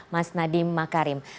mas nadiem makarim